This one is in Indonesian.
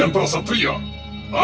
serta sehari saja tak ada siapa